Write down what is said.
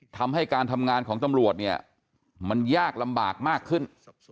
ทำให้การทำงานของตำรวจเนี่ยมันยากลำบากมากขึ้น